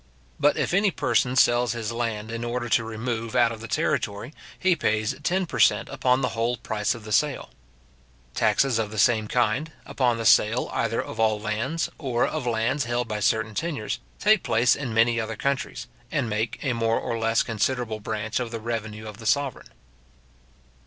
But if any person sells his land in order to remove out of the territory, he pays ten per cent. upon the whole price of the sale. {id. p.157.} Taxes of the same kind, upon the sale either of all lands, or of lands held by certain tenures, take place in many other countries, and make a more or less considerable branch of the revenue of the sovereign.